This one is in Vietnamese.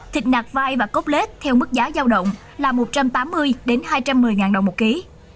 thịt nạc vai và cốt lết theo mức giá giao động là một trăm tám mươi hai trăm một mươi đồng một kg